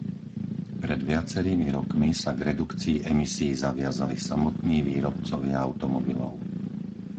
Pred viacerými rokmi sa k redukcii emisií zaviazali samotní výrobcovia automobilov.